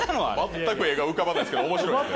全く画が浮かばないですけど面白いですね